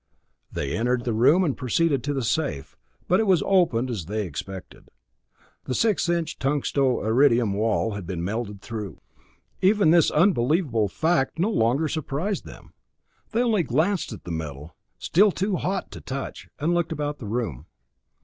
They entered the room and proceeded to the safe, but it was opened as they had expected. The six inch tungsto iridium wall had been melted through. Even this unbelievable fact no longer surprised them. They only glanced at the metal, still too hot to touch, and looked about the room.